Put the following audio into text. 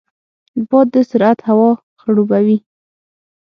د باد سرعت هوا خړوبوي.